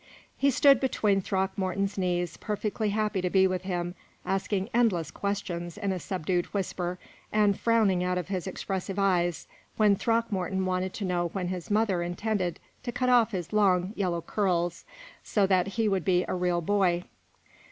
He stood between Throckmorton's knees, perfectly happy to be with him, asking endless questions in a subdued whisper, and frowning out of his expressive eyes when Throckmorton wanted to know when his mother intended to cut off his long, yellow curls, so that he would be a real boy.